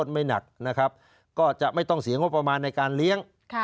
ไม่หนักนะครับก็จะไม่ต้องเสียงบประมาณในการเลี้ยง